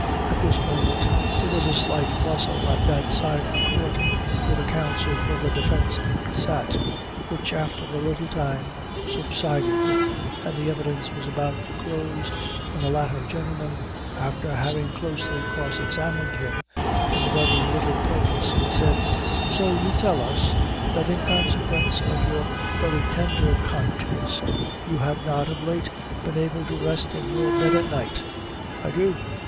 At this moment, there was a slight bustle at that side of the court where the counsel for the defense sat, which, after a little time, subsided, and the evidence was about to close, when the latter gentleman, after having closely cross examined him to very little purpose, said: "So you tell us, that in consequence of your very tender conscience, you have not, of late, been able to rest in your bed at night?" "I do."